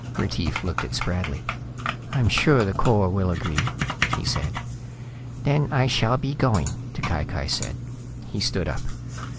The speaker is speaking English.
Retief looked at Spradley. "I'm sure the Corps will agree," he said. "Then I shall be going," T'Cai Cai said. He stood up.